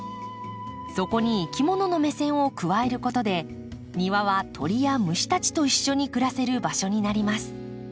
そこにいきものの目線を加えることで庭は鳥や虫たちと一緒に暮らせる場所になります。